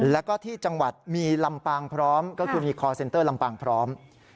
แล้วก็ที่จังหวัดมีลำปางพร้อมก็คือมีคอร์เซ็นเตอร์ลำปางพร้อม